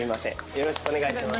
よろしくお願いします。